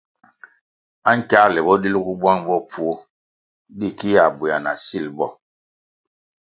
Ankiāle bo dilgu bwang bopfuo di ki yā bwéa na sil bo.